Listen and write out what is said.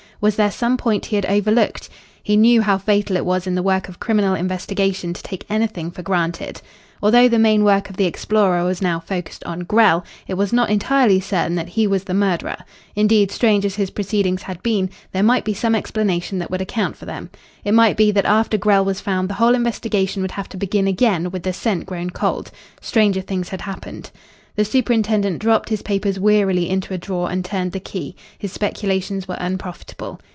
Was there some point he had overlooked? He knew how fatal it was in the work of criminal investigation to take anything for granted. Although the main work of the explorer was now focused on Grell, it was not entirely certain that he was the murderer. Indeed, strange as his proceedings had been, there might be some explanation that would account for them. It might be that after Grell was found the whole investigation would have to begin again with the scent grown cold. Stranger things had happened. The superintendent dropped his papers wearily into a drawer and turned the key. His speculations were unprofitable.